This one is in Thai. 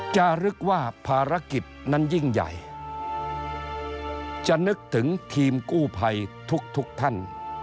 จะนึกว่าภารกิจนั้นยิ่งใหญ่จะนึกถึงทีมกู้ภัยทุกท่าน